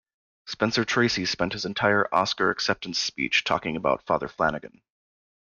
Spencer Tracy spent his entire Oscar acceptance speech talking about Father Flanagan.